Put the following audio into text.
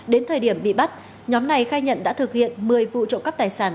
đến thời điểm bị bắt nhóm này khai nhận đã thực hiện một mươi vụ trộm cắp tài sản